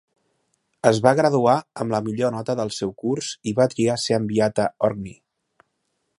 Es va graduar amb la millor nota del seu curs i va triar ser enviat a Orkney.